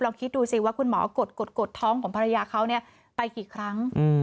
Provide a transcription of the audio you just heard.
คิดดูสิว่าคุณหมอกดท้องของภรรยาเขาไปกี่ครั้ง